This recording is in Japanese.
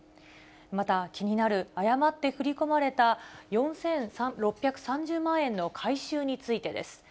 また、気になる誤って振り込まれた４６３０万円の回収についてです。